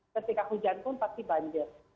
ketika hujan pun pasti banjir